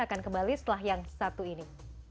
akan kembali setelah yang satu ini